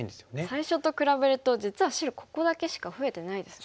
最初と比べると実は白ここだけしか増えてないですもんね。